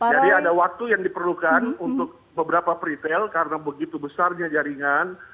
jadi ada waktu yang diperlukan untuk beberapa retail karena begitu besarnya jaringan